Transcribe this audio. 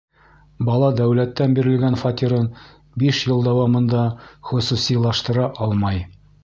Бала дәүләттән бирелгән фатирын биш йыл дауамында хосусилаштыра алмай.